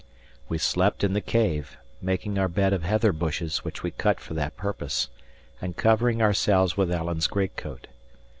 We slept in the cave, making our bed of heather bushes which we cut for that purpose, and covering ourselves with Alan's great coat.